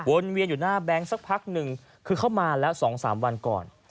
เวียนอยู่หน้าแบงค์สักพักหนึ่งคือเข้ามาแล้ว๒๓วันก่อน